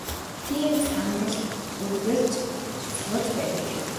Тийм сандалд үргэлж сууж байдаг юм.